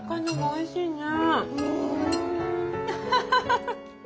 おいしいね。